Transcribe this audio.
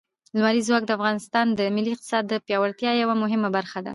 لمریز ځواک د افغانستان د ملي اقتصاد د پیاوړتیا یوه مهمه برخه ده.